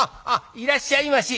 いらっしゃいまし。